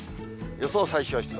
予想最小湿度。